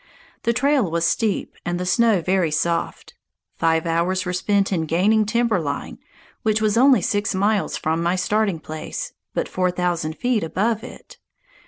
The trail was steep and the snow very soft. Five hours were spent in gaining timber line, which was only six miles from my starting place, but four thousand feet above it.